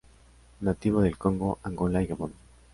Nativo del Congo, Angola y Gabón.